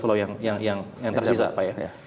tiga belas pulau yang tersisa pak ya